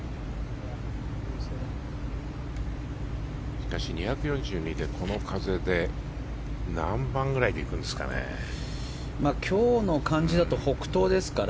しかし２４２で、この風で何番ぐらいでいくんですかね。